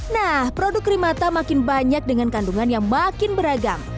nah produk krimata makin banyak dengan kandungan yang makin beragam